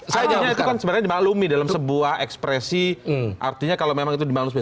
saya jauhkan sebenarnya di malumi dalam sebuah ekspresi artinya kalau memang itu dimalukan